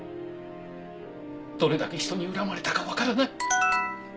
どれだけ人に恨まれたかわからない。